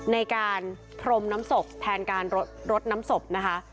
ในการพรมน้ำศพแทนการรดน้ำศพนะคะ